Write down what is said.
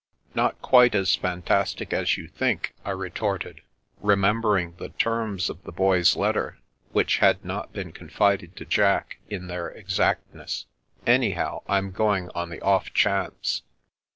" Not quite as fantastic as you think," I retorted, remembering the terms of the Boy's letter, which had not been confided to Jack, in their exactness. " Anyhow, I'm going on the off chance."